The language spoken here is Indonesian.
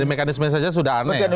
dari mekanisme saja sudah aneh